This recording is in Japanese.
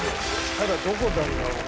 ただどこなんだろうね？